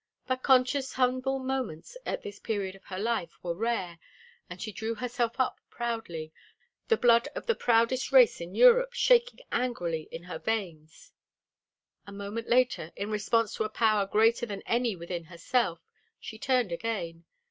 But Concha's humble moments at this period of her life were rare, and she drew herself up proudly, the blood of the proudest race in Europe shaking angrily in her veins. A moment later, in response to a power greater than any within herself, she turned again.